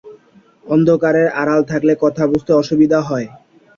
অন্ধকারের আড়াল থাকলে কথা বলতে সুবিধা হয়।